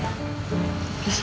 kalau aku lihat